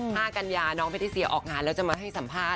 กัญญาน้องแพทิเซียออกงานแล้วจะมาให้สัมภาษณ